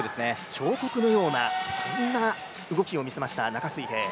彫刻のような、そんな動きを見せました、中水平。